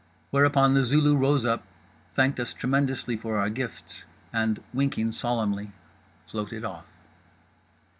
Whereupon The Zulu rose up, thanked us tremendously for our gifts, and—winking solemnly—floated off.